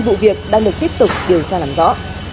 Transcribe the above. vụ việc đang được tiếp tục điều tra làm rõ